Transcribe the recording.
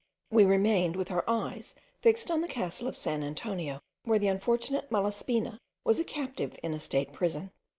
We remained with our eyes fixed on the castle of St. Antonio, where the unfortunate Malaspina was then a captive in a state prison.